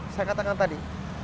saya katakan tadi